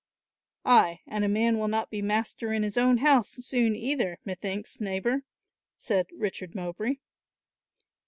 "Ay, and a man will not be master in his own house soon either, methinks, neighbour," said Richard Mowbray.